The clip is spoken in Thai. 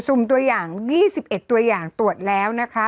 ุ่มตัวอย่าง๒๑ตัวอย่างตรวจแล้วนะคะ